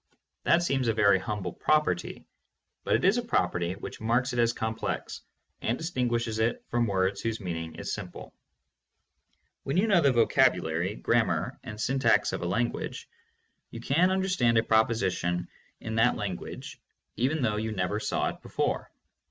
That seems a very humble property, but it is a THE PHILOSOPHY OF LOGICAL ATOMISM. 515 property which marks it as complex and distinguishes it from words whose meaning is simple. When you know the vocabulary, grammar, and syntax of a language, you can understand a proposition in that language even though you never saw it before.